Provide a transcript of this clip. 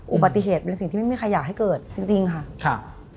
อุบัติเหตุเป็นสิ่งที่ไม่มีใครอยากให้เกิดจริงจริงค่ะครับ